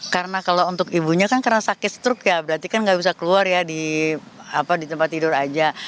karena kalau untuk ibunya kan karena sakit struk ya berarti kan gak bisa keluar ya di tempat tidur aja